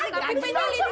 sini aja sendiri lu